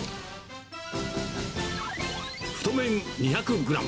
太麺２００グラム。